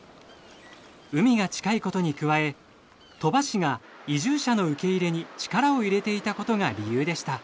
海が近いことに加え鳥羽市が移住者の受け入れに力を入れていたことが理由でした。